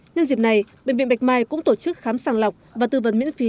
nhân dịp này bệnh viện bạch mai cũng tổ chức khám sàng lọc và tư vấn miễn phí